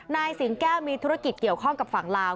นายสิงแก้วมีธุรกิจเกี่ยวข้องกับฝั่งลาว